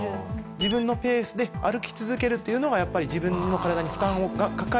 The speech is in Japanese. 自分のペースで歩き続けるというのがやっぱり自分の体に負担がかかりにくい。